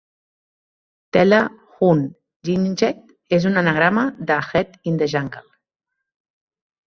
"Thela Hun Ginjeet" és un anagrama de "heat in the jungle".